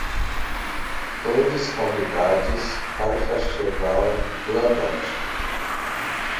Todes convidades para o festival do Avante